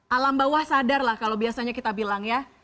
alam bawah sadar lah kalau biasanya kita bilang ya